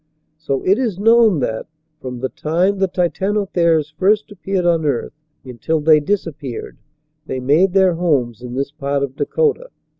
So it is known that, from the time the Titanotheres first appeared on earth until they dis appeared, they made their homes in this part of Dakota.